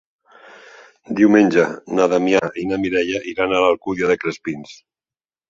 Diumenge na Damià i na Mireia iran a l'Alcúdia de Crespins.